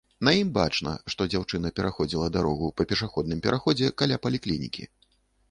На ім бачна, што дзяўчына пераходзіла дарогу па пешаходным пераходзе каля паліклінікі.